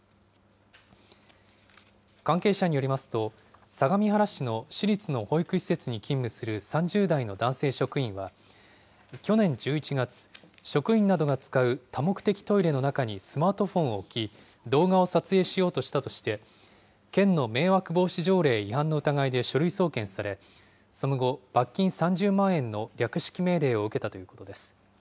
関係者によりますと、相模原市の市立の保育施設に勤務する３０代の男性職員は、去年１１月、職員などが使う多目的トイレの中にスマートフォンを置き、動画を撮影しようとしたとして、県の迷惑防止条例違反の疑いで書類送検され、その後、罰金３０万円の略式命令を受けたということです。